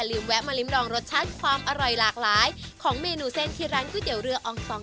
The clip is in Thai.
อืมมันอองตองจริง